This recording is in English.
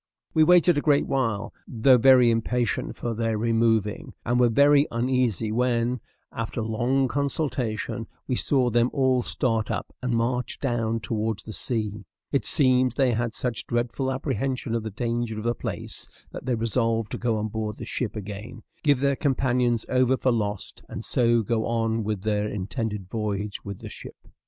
We waited a great while, though very impatient for their removing; and were very uneasy when, after long consultation, we saw them all start up and march down towards the sea; it seems they had such dreadful apprehension of the danger of the place that they resolved to go on board the, ship again, give their companions over for lost, and so go on with their intended voyage with the ship.